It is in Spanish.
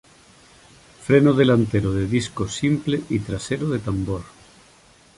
Freno delantero de disco simple y trasero de tambor.